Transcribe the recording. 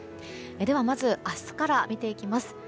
まず、明日から見ていきます。